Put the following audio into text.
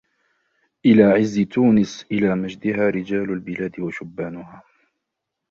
إِلَى عِزِّ تُونِسْ إِلَى مَجْدِهَا رِجَالُ الْبِلَادِ وَشُبَّانُهَا